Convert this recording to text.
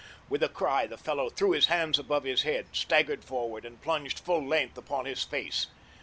With a cry the fellow threw his hands above his head, staggered forward and plunged full length upon his face.